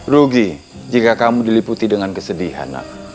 rugi jika kamu diliputi dengan kesedihan